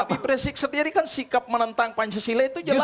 habib rizik sendiri kan sikap menentang pancasila itu jelas